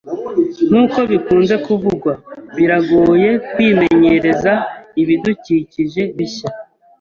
Nkuko bikunze kuvugwa, biragoye kwimenyereza ibidukikije bishya